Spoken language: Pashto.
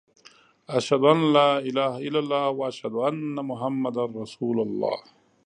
اشهد ان لا اله الا الله و اشهد ان محمد رسول الله.